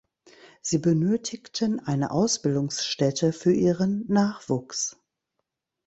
Sie benötigten eine Ausbildungsstätte für ihren Nachwuchs.